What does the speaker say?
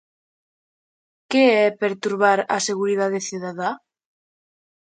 Que é perturbar a seguridade cidadá?